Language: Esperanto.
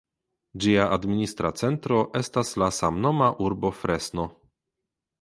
Ĝia administra centro estas la samnoma urbo Fresno.